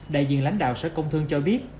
đại diện lãnh đạo sở công thương cho biết